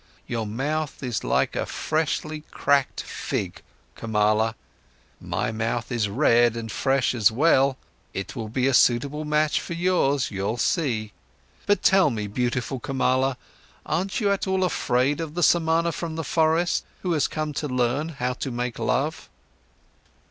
Your mouth is like a freshly cracked fig, Kamala. My mouth is red and fresh as well, it will be a suitable match for yours, you'll see.—But tell me, beautiful Kamala, aren't you at all afraid of the Samana from the forest, who has come to learn how to make love?"